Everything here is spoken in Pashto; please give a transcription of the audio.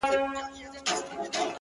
• سبا اختر دی خو د چا اختر دی ,